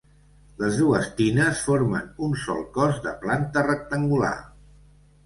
Les dues tines formen un sol cos de planta rectangular.